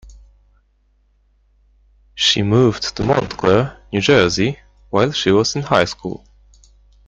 She moved to Montclair, New Jersey, while she was in high school.